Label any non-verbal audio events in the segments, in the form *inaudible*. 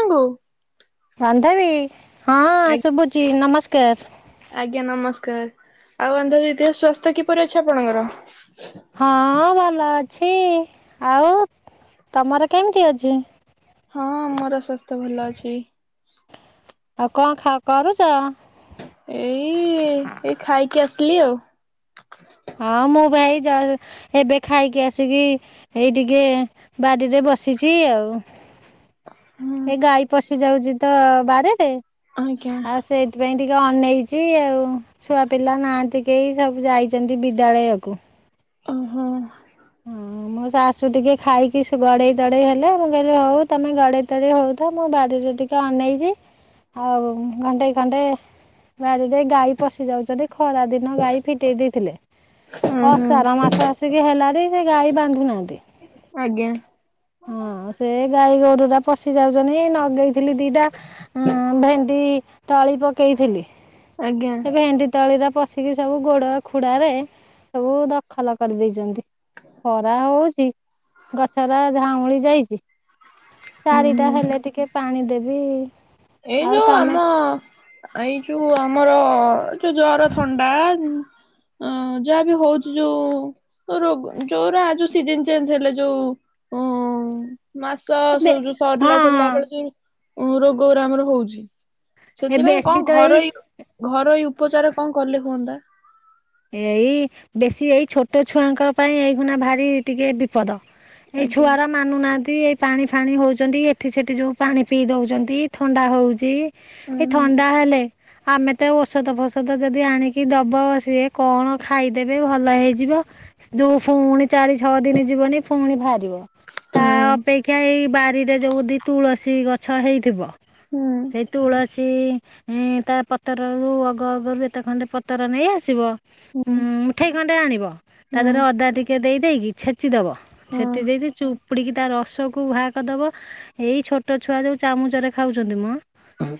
Hello. ରନ୍ଧାବୀ ହଁ ଶୁଭୁଛି ନମସ୍କାର। ଆଜ୍ଞା ନମସ୍କାର ଆଉ ଅନ୍ଧ ବିକାଶ ସ୍ୱାସ୍ଥ୍ୟ କିପରି ଅଛି ଆପଣଙ୍କର? ହଁ ଭଲ ଅ ଅଛି ଆଉ ତମର କେମିତି ଅଛି? ହଁ ମୋର ସ୍ୱାସ୍ଥ୍ୟ ଭଲ ଅଛି। ଆଉ କଣ ଖା କରୁଛ? ଏଇ ଏଇ ଖାଇକି ଆସିଲି ଆଉ। ହଁ ମୁଁ ଭାଇ ଜା ଏବେ ଖାଇକି ଆସିକି ଏଇ ଟିକେ ବାଡିରେ ବସିଛି ଆଉ ହୁଁ ଏ ଗାଈ ପଶି ଯାଉଛି ତ ବାଡିରେ। ଆଜ୍ଞା ହଁ ସେଇଥିପାଇଁ ଟି ଟିକେ ଅନେଇଛି ଆଉ ଛୁଆ ପିଲା ନାହାନ୍ତି କେହି ସବୁ ଯାଇଛନ୍ତି ବିଦ୍ୟାଳୟକୁ। ଓହୋ। ହଁ ମୋ ଶାଶୁ ଟିକେ ଖାଇକି ସେ ଗଡେଇ ତଡେଇ ହେଲେ ମୁଁ କହିଲେ ହଉ ତମେ ଗଡେଇ ତଡେଇ ହଉଥାଅ ମୁଁ ବାଡ଼ିରେ ସେ ଟିକେ ଅଣେଇଛି ଆଉ ଘଣ୍ଟେ ଖଣ୍ଟେ ବାଡିରେ ଗାଈ ପଶି ଯାଉଛନ୍ତି। ଖରା ଦିନ ଗାଈ ଫିଟେଇ ଦେଇଥିଲେ ହୁଁ ହୁଁ ଅଷାଢ଼ ମାସ ଆସିକି ହେଲାଣି ସେ ଗାଈ ବାନ୍ଧୁ ନାହାନ୍ତି ଆଜ୍ଞା ହଁ ସେ ଗାଈ ଗୋରୁ ପା ପଶି ଯାଉଛନ୍ତି ନଗେଇଥିଲି ଦିଟା ଅ ଭେଣ୍ଡି ତଳି ପକେଇଥିଲି। ଆଜ୍ଞା। ଏ ଭେଣ୍ଡି ତଳିର ପଶିକି ସବୁ ଗୋଡ ଖୁଡାରେ ସବୁ ଦଖଲ କରିଦେଇଛନ୍ତି। ଖରା ହଉଛି ଗଛ ଟା ଧାଉାଉଁଳି ଯାଇଛି। ହୁଁ ଚାରିଟା ହୁଁ ହେଲେ ଟିକେ ପାଣି ଦେବି। ଏଇ ଆଉ ଯୋଉ ତମେ ଆମ ଏଇ ଯୋଉ ଆମର ଯୋଉ ଜର ଥଣ୍ଡା ଅ ଯାହା ବି ହଉଛି ଯୋଉ ରୋଗ ଯୋଉରା ସିଜନ୍ ଚେଞ୍ଜ ହେଲେ ଯୋଉ ହୁଁ। ମାସ ହଁ ଆସ ଯୋଉ ସରିଲା ସରିଲା ହଁ ବେଳେ ଯୋଉ ଉଁ ରୋଗ ଗୁରା ଆମର ଯୋଉ ହଉଛି। ଏ ସେଥିପାଇଁ କଁ ବେଶୀ ତ ଏଇ ଘରୋଇ-ଘରୋଇ ଉପଚାର କଣ କଲେ ହୁଅନ୍ତା? ଏଇ ବେସି ଏଇ ଛୋଟ ଛୁଆଙ୍କ ପାଇଁ ଏଇଖୁନା ଭାରି ଟିକେ ବିପଦ। ଏଇ ଛୁଆ ଆଜ୍ଞା। ଆରା ମାନୁନାହାନ୍ତି। ଇ ଏଇ ପାଣି ଫାଣି ହଉଛନ୍ତି ଏଠି ସେଠି ଯୋଉ ପାଣି ପିଇ ଦଉଛନ୍ତି ଥଣ୍ଡା ହଉଛି। ଏଇ ହୁଁ ଥଣ୍ଡା ହେଲେ ଆମେ ତ ଔଷଧ ଫୋଷଧ ଯଦି ଆଣିକି ଦବ ସିଏ କଣ ଖାଇଦେବେ ଭଲ ହେଇଯିବ ସ୍ ଯୋଉ ଫୁଣି ଚାରି ଛଅ ଦିନି ଯିବନି ଫୁଣି ବାହାରିବ। ତା ହୁଁ ଅପେକ୍ଷା ଏଇ ବାରିରେ ଯୋଉ ତୁଳସୀ ଗଛ ହେଇଥିବ ହୁଁ ସେଇ ତୁଳସୀ ଇ ଇଁ ତା ପତରରୁ ଅଗ ଅଗରୁ ଏତେ ଖଣ୍ଡେ ପତର ନେଇ ଆସିବ। ଉଁ ମୁଠେଇ ଖଣ୍ଡେ ଆଣିବ ତା ହୁଁ ଦେହରେ ଅଦା ଟିକେ ଦେଇ ଦେଇକି ଛେ ଚି ଦବ ହଁ ଛେତି ଦେଇକି ଚୁପୁଡ଼ିକି ତା ରସକୁ ଉହା କରଦବ। ଏଇ ଛୋଟ ଛୁଆ ଯୋଉ ଚାମୁଚାରେ ଖାଉଚନ୍ତି ମ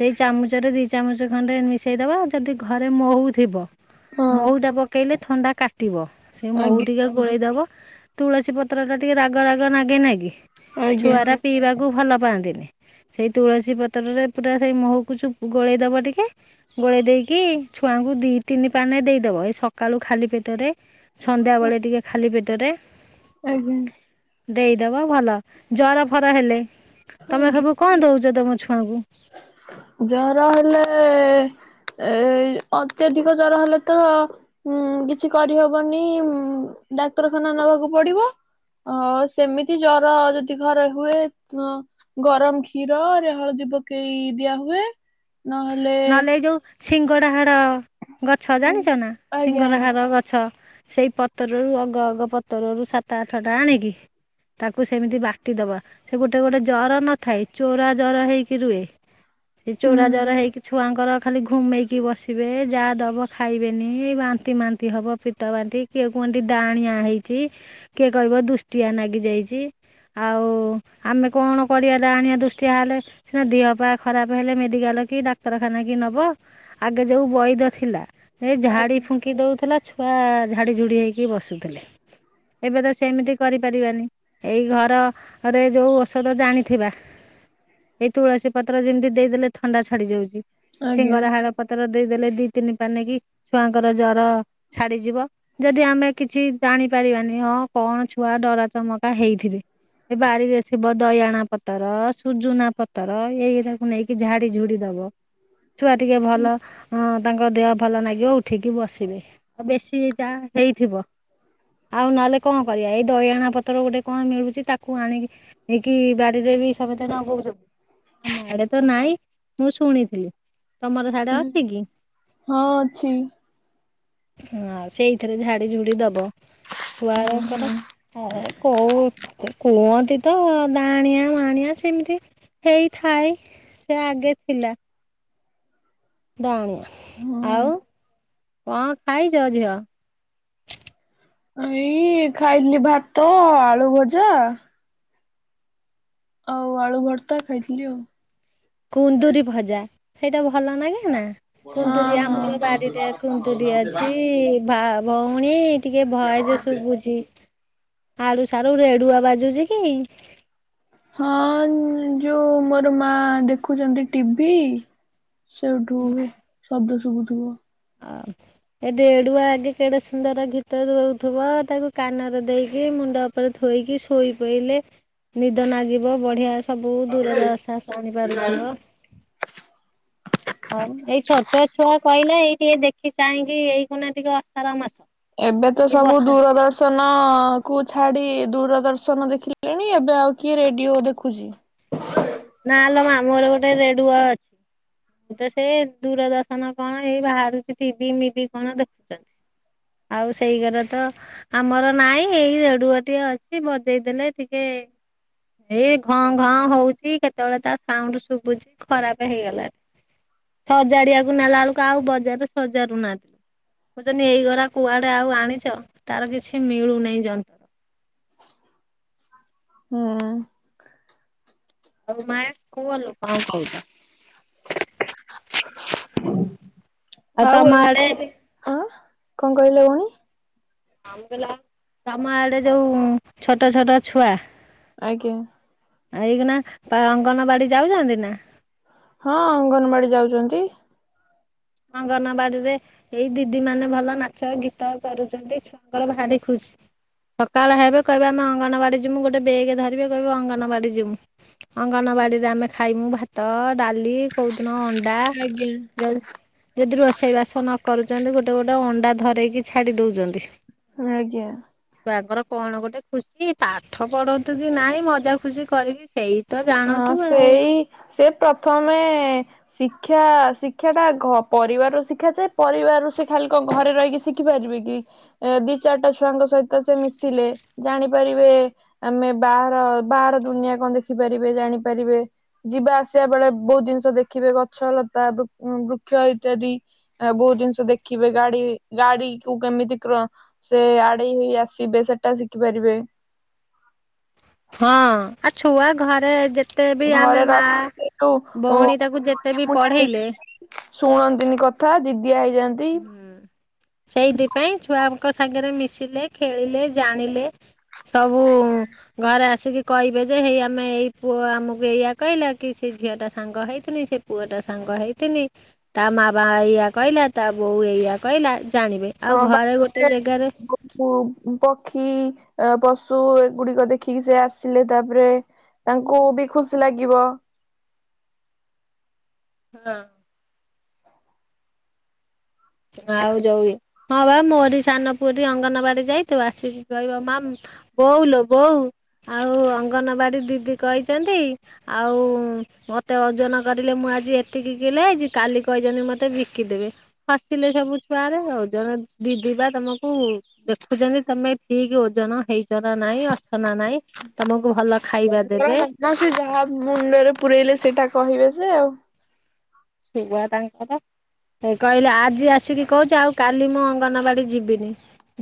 ସେଇ ଚାମୁଚାରେ ରି ଚାମୁଚ ଖଣ୍ଡେ ମିଶେଇଦବ ଯଦି ଘରେ ମହୁ ଥିବ। ହଁ ମହୁ ଟା ପକେଇଲେ ଥଣ୍ଡା କାଟିବ ସେ ମହୁ ଆଜ୍ଞା ଟିକେ ଗୋଳେଇଦବ। ତୁଳସୀ ପତ୍ର ଟା ଟିକେ ରାଗ ରାଗ ନାଗେନାଇ ଆଜ୍ଞା ଛୁଆ ରା ପିଇବାକୁ ଭଲ ପାଆନ୍ତିନି। ସେଇ ତୁଳସୀ ପତରରେ ପୁରା ସେଇ ମୁହୁକୁ ଚୁ ଗୋଳେଇ ଦବ ଟିକେ ଗୋଳେଇ ଦେଇକି ଛୁଆଙ୍କୁ ଦି ତିନି ପାନେ ଦେଇ ଦବ ଏଇ ସକାଳୁ ଖାଲି ପେଟରେ ସନ୍ଧ୍ୟା ବେଳେ ଟିକେ ଖାଲି ପେଟରେ। ଆଜ୍ଞା। ଦେଇଦବ ଭଲ ଜର ଫର ହେଲେ ତମେ ଆଜ୍ଞା। ସବୁ କଁ ଦଉଚ ତମ ଛୁଆଙ୍କୁ ଜର ହେଲେ ଏ ଅତ୍ୟଧିକ ଜର ହେଲେ ତ ଉ କିଛି କରିହବନି ଡାକ୍ତରଖାନା ନବାକୁ ପଡିବ। ଅ ସେମିତି ଜର ଯଦି ଘରେ ହୁଏ ଅ ଗରମ୍ କ୍ଷୀରରେ ହଳଦୀ ପ କେଇ ଦିଆ ହୁଏ ନହେଲେ ସିଙ୍ଗଡ଼ାହାଡ଼ ଗଛ ଉଁ ଜାଣିଚ ନା ଆଜ୍ଞା ଆଜ୍ଞା ସିଙ୍ଗଡ଼ାହାର ଗଛ। ସେଇ ପତରରୁ ଅଗ ଅଗ ପତରରୁ ସାତ ଆଠ ଟା ଆଣିକି ତାକୁ ସେମିତି ବାଟି ଦବା ସେ ଗୋଟେ ଗୋଟେ ଜର ନଥାଏ ଚୋରା ଜର ହେଇକି ରୁଏ। ସେ ହୁଁ ଚୋରା ଜର ହେଇକି ପାଙ୍କର ଖାଲି ଘୁମେଇକି ବସିବେ ଯାହା ଦବ ଖାଇବେନି ବାନ୍ତି ମାନ୍ତି ହବ ପିତ ବାନ୍ତି। କିଏ କୁହନ୍ତି ଡାଣିଆ ହେଇଛି କିଏ କହିବ ଦୁଷ୍ଟିଆ ନାଗି ଯାଇଚି। ଆଉ ଆମେ କଣ କରିବା ଡାଣିଆ ଦୃଷ୍ଟିଆ ହେଲେ ସିନା ଦେହ ପା ଖରାପ ହେଲେ ମେଡିକାଲ କି ଡା କ୍ତରଖାନା କି ନବ ଆଗେ ଯୋଉ ବୈଦ ଥିଲା ଏ ଝାଡି ଆଜ୍ଞା ଫୁଙ୍କି ଦୋଉଥିଲା ଛ ବା ଝାଡ଼ିଝୁଡ଼ି ହୋଇକି ବସୁଥୁଲେ। ଏବେ ତ ସେମିତି କରିପାରିବାନି ଏଇ ଘରରେ ଯୋଉ ଔଷଧ ଜାଣିଥିବା ଏଇ ତୁଳସୀ ପତ୍ର ଯେମିତି ଦେଇଦେଲେ ଥଣ୍ଡା ଛାଡି ଯାଉଚି ଆଜ୍ଞା ଶିଙ୍ଗରା ହାଡ଼ ପତର ଦେଇଦେଲେ ଦି ତିନି ପାନେ କି ଛୁଆଙ୍କର ଜର ଛାଡିଯିବ ଯଦି ଆମେ କିଛି ଜାଣି ପାରିବାନି ହଁ କଣ ଛୁଆ ଡରା ଚମକା ହେଇଥିବେ। ଏ ବାରିରେ ଥିବ ଦୟଣା ପତର ସୁଜୁନା ପତର ଏଇରାକୁ ନେଇକି ଝାଡି ଝୁଡି ଦବ। ଛୁଆ ଟିକେ ଭଲ ଅ ତାଙ୍କ ଦେହ ଭଲ ନା ଗିବ ଉଠିକି ବସିବେ ଆଉ ବେଶୀ ଯା ହେଇଥିବ ଆଉ ନହେଲେ କଁ କରିବା ଏଇ ଦୟଣା ପତର ଗୋଟେ କଁ ମିଳୁଚି ତାକୁ ଆଣିକି ଇକି ବାଡିରେ ବି ସମତେ ନଗଉଚ ଆମ ଆଡେ ତ ନାଇଁ ମୁଁ ଶୁଣି ଥିଲି ତମର ସାଢେ ଆଜ୍ଞା ଅଛି କି? ହଁ ଅଛି। ହଁ ସେଇଥିରେ ଝାଡି ଝୁଡି ଦବ। ହୁଁ ହୁଁ। ଆରଙ୍କର ଆରେ କୋଉ କୁହ ତ ଡାଣିଆ ମାଣିଆ ସେମିତି ହେଇଥାଏ। ସେ ଆଗେ ଥିଲା। ଦାଣିଆ ଆଉ। କଣ ଖାଇଛ ଝିଅ? ଏଇ ଖାଇଥିଲି ଭାତ ଆଳୁ ଭଜା। ଆଉ ଆଳୁ ଭର୍ତା ଖାଇଥିଲି ଆଉ। କୁନ୍ଦୁରି ଭଜା ସେଇଟା ବହୁ ଭଲ ନାଗେନା? କୁନ୍ଦୁରୁ ଆମର ହଁ ବାରିରେ କୁନ୍ଦୁରି ଅଛି ବା ଭଉ ପୁଣି ଟିକେ ଭଏଯେ ସୁୁବୁଛି। ଆଳୁ, ସାରୁ ରେଡୁଓ ବାଜୁଛି କି? ହଁ ଯୋଉ ମୋର ମା ଦେଖୁଛନ୍ତି ଟିଭି। ସେଇଠୁ ଶବ୍ଦ ଶୁବୁଥିବ। ଅ ଏ ରେଡୁଓ ଆଗେ କେଡେ ସୁନ୍ଦର ଗୀତ ଦଉଥିବ ତାକୁ କାନରେ ଦେଇକି। ମୁଣ୍ଡ ଉପରେ ଧୋଇକି ଶୋଇ ପଇଲେ। ନିଦ ନାଗିବ ବଢିଆ ସବୁ ଦୂର ଦଶା ଶୁଣିପାରୁଥୁବ। ଆଉ ଏଇ ଛୋଟ ଛୁଆ କହିଲେ ଏଇ ଟିକେ ଦେଖି ଚାହିଁକି ଏଇ କନା ଟିକେ ଅସାର ମାସ ଏବେ ତ ଏଇ ସବୁ ବର୍ଷା ଦୂରଦର୍ଶନ କୁ ଛାଡି ଦୂରଦର୍ଶନ ଦେଖିଲେଣି ଏବେ ଆଉ କି ରେଡିଓ ଦେଖୁଛି ନାଲେ ଆମର ଗୋଟେ ରେଡୁଆ ଅଛି। ତ ସେ ଦୂରଦର୍ଶନ କଣ ହେଇ ବାହାରୁଛି ଟି ଭି ମିଭିି କଣ ଦେଖୁଛନ୍ତି। ଆଉ ସେଇ ଘରେ ତ ଆମର ନାଇଁ ଏଇ ରେଡୁଓ ଟିଏ ଅଛି ବଜେଇଦେଲେ ଟିକେ। ଏ ଏଇ ଘଁ ଘଁ ହଉଛି କେ ଯେତେବେଳେ ତା ସାଉଣ୍ଡ ଶୁଭୁଛି ଖରାପ ହେଇଗଲା। ସଜାଡିବାକୁ ନେଲା ବେଳୁକୁ ଆଉ ବଜାରରେ ସଜାରୁ ନାହାନ୍ତି ଲୋ। ପଚାରିନି ଏଇଗରା କୁଆଡେ ଆଉ ଆଣିଛ ତାର କିଛି ମିଳୁନାଇ ଯନ୍ତ୍ର। ହଁ। ହୁଁ। ଆଉ ମାୟା କୁହ ଲୋ କଣ କହୁଛ? ହଁ ଆଉ ଆ ଅ କଣ କହିଲ ଭଉଣୀ? ମାମୁଁ କହିଲା ତମ ଆଡେ ଯୋଉଁ ଛୋଟ ଛୋଟ ଛୁଆ। ଆଜ୍ଞା। ଏଇକନା ଅଙ୍ଗନବାଡି ଯାଉଛନ୍ତି ନା? ହଁ ଅଙ୍ଗନବାଡି ଯାଉଛନ୍ତି। ଅଙ୍ଗନବାଡିରେ ଏଇ ଦିଦି ମାନେ ଭଲ ନାଚ ଗୀତ କରୁଛନ୍ତି ଛୁଆଙ୍କର ଭାରି ଖୁସି ହୁ। ସକାଳ ହେବେ କହିବେ ଆମେ ଅଙ୍ଗନବାଡି ଯିବୁ ଗୋଟେ ବେଗ ଧରିବେ କହିବେ ଅଙ୍ଗନବାଡି ଯିବୁ ଅଙ୍ଗନବା ବାଡିରେ ଆମେ ଖାଇମୁ ଭାତ ଡାଲି କୋଉଦିନ ଅ ଡା ଆଜ୍ଞା। ଯଦି ଯଦି ରୋଷେଇ ବାସ ନ କରୁଛନ୍ତି ଗୋଟେ ଗୋ ଅଣ୍ଡା ଧରେଇକି ଛାଡି ଦଉଛନ୍ତି। ହଁ ଆଜ୍ଞା। ତାଙ୍କର କଣ ଗୋଟେ ଖୁସି ପାଠ ପଢନ୍ତୁ କି ନାଇଁ ମଜା ଖୁସି କରିକି ସେଇ ତ ହଁ ଜାଣନ୍ତୁ ଆଉ ସେଇ ସେ ପ୍ରଥମେ। ଶିକ୍ଷା ଶିକ୍ଷା ଟା ପରିବାରରୁ ଶିକ୍ଷା ଯ ପରିବାର ର ସେ ଖାଲି କଣ ଘରେ ରହିକି ଶିଖିପାରିବି! ଦି ଚାରିଟା ଛୁଆଙ୍କ ସହିତ ସେ ମିଶିଲେ ଜାଣିପାରିବେ ଆମେ ବାହା ର ବାହାର ଦୁନିଆ କଣ ଦେଖ ଦେଖିପାରିବେ ଜାଣିପାରିବେ ଯିବା ଆସିବା ବେଳେ ବହୁତ ଜିନିଷ ଦେଖିବେ ଗଛ ଲତା କ୍ଷ ଇତ୍ୟାଦି ଆ ବହୁତ ଜିନିଷ ଦେଖିବେ ଗାଡି ଗାଡି କୁ କେମିତି କ୍ର ସେ ଆ ଆଡେଇ ହେଇ ଆସିବେ ସେ ଟା ଶିଖି ପାରିବେ। ହଁ ଆଉ ଛୁଆ ଘରେ ଯେତେ ବି ଆମେ ଘରେ ମା ରହି ଭଉଣୀ ସେଠୁ ତାକୁ ଯେତେ ବି ପଢେଇଲେ। ଶୁଣନ୍ତିନି କ ହୁଁ ସେଇଥିପାଇଁ ଛୁଆଙ୍କ ସାଙ୍ଗରେ ମିଶିଲେ ଖେଳିଲେ ଜାଣିଲେ ସବୁ ଘରେ ଆସିକି। କହିବେ ଯେ ହେଇ ଆମେ ଏଇ ପୁଅ ଆମକୁ ଏଇଆ କହିଲା କି ସେ ଝିଅଟା ସାଙ୍ଗ ହେଇଥିଲି ସେ ପୁଅ ଟା ସା ଙ୍ଗ ହେଇଥିଲି ତା ମା ବା ଏଇଆ କଇଲା ତା ବୋଉ ଏଇଆ କଇଲା। ଅ ବା *unintelligible* ପକ୍ଷୀ। ଅ ପଶୁ ଏଗୁଡିକ ଦେଖିକି ସେ ଆସିଲେ ତାପରେ ତାଙ୍କୁ ବି ଖୁସି ଲାଗିବ। ହଁ। ଆଉ ଯଉ ରି ହଁ ବା ମୋରି ସାନ ପୁଅ ଟି ଅଙ୍ଗନବାଡି ଯାଇ ତୁ ଆସିକି କହିବ ମା ବୋଉ ଲୋ ବୋଉ ଆଉ ଅଙ୍ଗନବାଡ଼ି ଦିଦି କଇଚନ୍ତି ଆଉ ମତେ ଓଜନ କରିଲେ ମୁଁ ଆଜି ଏତିକି କିଲେ ହେଇଚି। କାଲି କହିଛନ୍ତି ମତେ ବିକିଦେବେ। ହସିଲେ ସବୁ ଛୁଆରେ ଓଜନ ଦିଦି ବା ତମକୁ ଦେଖୁଛନ୍ତି, ତମେ ଠିକ ଓଜନ ହେଇଛନା ନାଇଁ ଅଛନା ନାଇଁ ତମକୁ ଭଲ ଖାଇବା ଦେବେ *unintelligible* ସିଏ ଯାହା ମୁଣ୍ଡରେ ପୁରଇଲେ ସେଇଟା କହିବେ ସେ ଆଉ। ସୁବୁଆ ତାଙ୍କର। କହିଲେ ଆଜି ଆସିକି କହୁଛି ଆଉ କାଲି ମୁଁ ଅଙ୍ଗନବାଡି ଯିବିନି।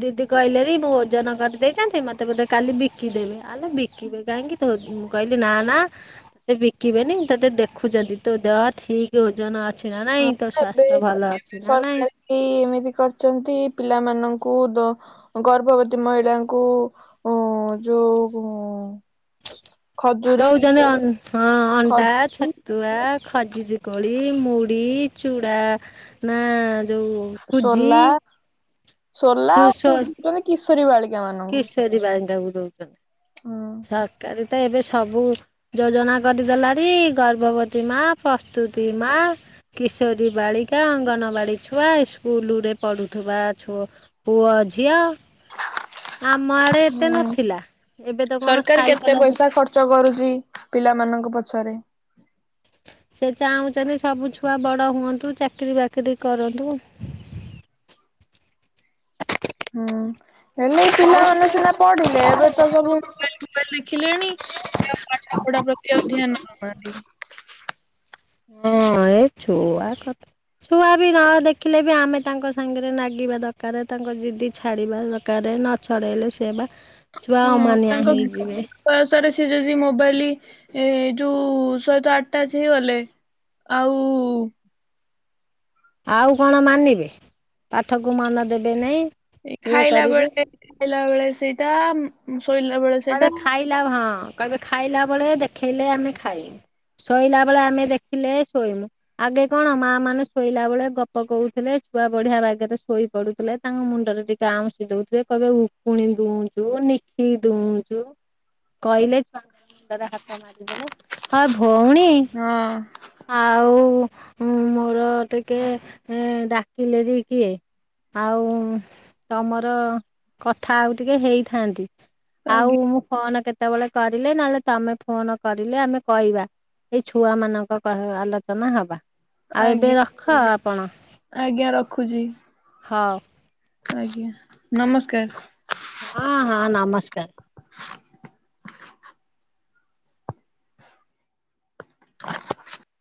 ଦିଦି କହିଲେରି ମୁଁ ଓଜନ କରିଦେଇଛନ୍ତି ମୋତେ ବୋଧେ କାଲି ବିକିଦେବେ। ଆଲେ ବିକିବେ କାହିଁକି ତୁ କହିଲି ନା ନା ତତେ ବିକିବେନି। ତତେ ଦେଖୁଛନ୍ତି, ତୋ ଦେହ ଠିକ ଓଜନ ଅଛି ନା ହଁ ନାଇଁ, ତୋ ଏବେ ସ୍ୱାସ୍ଥ୍ୟ ଭଲ ଏବେ ଅଛି ନା ସରକାର ନାଇଁ। ବି ଏମିତି କରିଛନ୍ତି ପିଲାମାନଙ୍କୁ ଦ-ଗର୍ଭବତୀ ମହିଳାଙ୍କୁ ଉଁ *inaudible* ଦଉଛନ୍ତି ଅଁ ହଁ ଅଣ୍ଡା, ଖଜୁରୀ ଛତୁଆ ଖଜିରି କୋଳି, ମୁଢି, ଚୁଡ଼ା ନା ଯୋଉ ସୁଜି। ସୋଲା ସୋଲା ସେ ଆଉ ସ କୋଉଠି ବିକୁଛନ୍ତି କିଶୋରି ବାଳି କିଶୋରୀ ବାଳିକାକୁ ଦଉଛନ୍ତି। ହୁଁ। ସରକାରି ତ ଏବେ ସବୁ ଯୋଜନା କରିଦେଲାନି। ଗର୍ଭବତୀ ମା, ପ୍ର ତୁତି-ମା କିଶୋରୀ ବାଳିକା, ଅଙ୍ଗନବାଡି ଛୁଆ, ସ୍କୁଲ ରେ ପଢୁଥିବା ଛୁ ପୁଅ ଝିଅ, ଆମ ଆଡେ ଏତେ ନଥିଲା। ଏବେ ତ କଣ ସରକାରି କେତେ ସାଇକେଲ ପଇସା ଖର୍ଚ୍ଚ କରୁଛି ପିଲାମାନଙ୍କ ପଛରେ। ସେ ଚାହୁଁଛନ୍ତି ସବୁ ଛୁଆ ବଡ଼ ହୁଅନ୍ତୁ ଚାକିରି ବାକିରି କରନ୍ତୁ। *inaudible* ହୁଁ ହେଲେ ଏ ପିଲାମାନେ ସିନା ପଢିଲେ, ଏବେ ତ ସବୁ ଶିଖିଲେଣି ସେ ଆଉ ପାଠ ପଢା ପ୍ରତି ଆଉ ଧ୍ୟାନ ଦଉନାହାନ୍ତି। ହଁ ଏ ଛୁଆ କଥା, ଛୁଆ ବି ନ ଦେଖିଲେ ବି ଆମେ ତାଙ୍କ ସାଙ୍ଗରେ ନାଗି ନାଗିବା ଦରକାରେ ଙ୍କ ଦିଦି ଛାଡିବା ଦରକାରେ। ନଛଡେଇଲେ ସିଏ ବା ଛୁଆ ହଁ ଅମାନିଆ ତାଙ୍କ ହେଇଯିବେ। ପାସାରେ ସିଏ ଯଦି ମୋବାଇଲି ଏଇ ଯୋଉ ଶହିତ ଆଟାଜ ହେଇଗଲେ, ଆଉ ଆଉ କଣ ମାନିବେ। ପାଠକୁ ମନ ଦେବେ ନେଇ, ଇଏ ଖାଇଲା କରିବେ। ବେଳେ ଖାଇଲା ବେଳେ ସେଇଟା, ଶୋଇଲା ବେଳେ ସେଇଟା କହିବେ ଖାଇଲା ହଁ କହିବେ ଖାଇଲା ବେଳେ ଦେଖେଇଲେ ଆମେ ଖାଇ ଶୋଇଲା ବେଳେ ଆମେ ଦେଖିଲେ ଶୋଇମୁ, ଆଗେ କଣ ମା ମାନେ ଶୋଇଲା ବେଳେ ଗପ କହୁଥିଲେ ଛୁଆ ବଢିଆ ବାଗେରେ ଶୋଇ ପଡୁଥିଲେ ତାଙ୍କ ମୁଣ୍ଡରେ ଟିକେ ଆଉଁସି ଦଉଥିବେ କହିବେ ଉକୁଣି ଦୁଉଁଦୁଁ ନିଖି ଦଉଛୁ କହିଲେ ଛୁଆଙ୍କର ମୁଣ୍ଡରେ ହାତ ମାରିଦେଲେ ଭଉଣୀ, ହଁ ଆଉ *inaudible* ପର ଟିକେ ଡାକିଲେରି କିଏ। ଆଉ ତମର, କଥା ଆଉ ଟିକେ ହେଇଥାନ୍ତି। ଆଉ ଆଜ୍ଞା ମୁଁ ଫୋନ କେତେବେଳେ କରିଲେ, ନହେଲେ ତମେ ଫୋନ କ ରିଲେ ଆମେ କହିବା ଏଇ ଛୁଆ ମାନଙ୍କ କ ଆଲୋଚନା ହବା। ଆଉ ଏବେ ଆଜ୍ଞା ରଖ ଆପଣ, ଆଜ୍ଞା ରଖୁଛି ହଉ। ଆଜ୍ଞା ନମସ୍କାର। ହଁ ହଁ ନମସ୍କାର। *inaudible*